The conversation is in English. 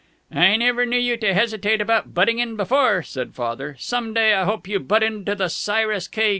"I never knew you to hesitate about butting in before," said Father. "Some day I hope you butt into the Cyrus K.